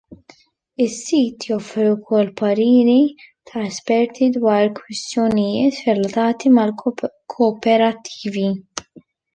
Is-sit joffri wkoll pariri ta' esperti dwar kwistjonijiet relatati mal-koperattivi.